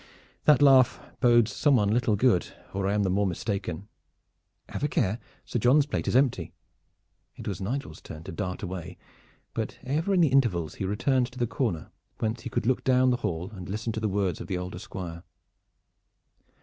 That laugh bodes some one little good, or I am the more mistaken. Have a care! Sir John's plate is empty." It was Nigel's turn to dart away; but ever in the intervals he returned to the corner whence he could look down the hall and listen to the words of the older Squire.